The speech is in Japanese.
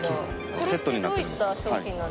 これってどういった商品なんですか？